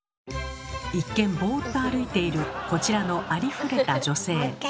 一見ボーっと歩いているこちらのありふれた女性。